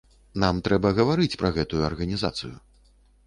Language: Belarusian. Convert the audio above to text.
Нам трэба гаварыць пра гэтую арганізацыю.